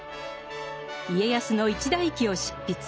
家康の一代記を執筆。